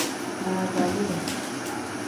Daagaliide.